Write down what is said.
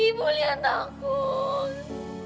ibu lia takut